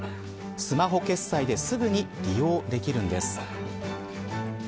スマホ決済ですぐに利用できるんです。